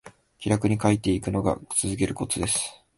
気楽に書いていくのが続けるコツです